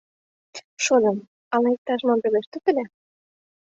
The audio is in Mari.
— Шольым, ала иктаж-мом пелештет ыле?